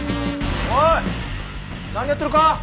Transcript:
おい何やってるか？